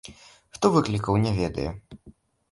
Хто выклікаў, не ведае.